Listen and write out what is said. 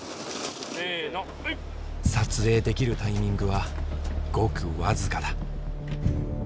撮影できるタイミングはごく僅かだ。